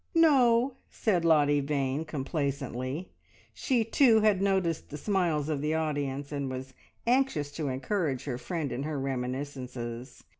"No," said Lottie Vane complacently. She too had noticed the smiles of the audience, and was anxious to encourage her friend in her reminiscences.